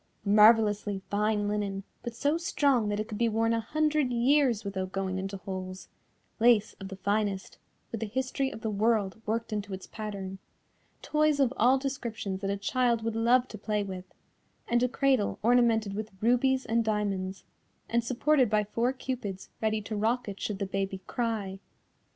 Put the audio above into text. Marvellously fine linen, but so strong that it could be worn a hundred years without going into holes, lace of the finest, with the history of the world worked into its pattern, toys of all descriptions that a child would love to play with, and a cradle ornamented with rubies and diamonds, and supported by four Cupids ready to rock it should the baby cry.